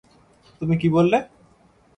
তুমি কী বললে?